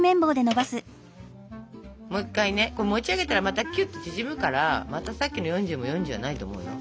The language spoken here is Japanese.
もう一回ねこれ持ち上げたらまたきゅっと縮むからまたさっきの４０も４０じゃないと思うよ。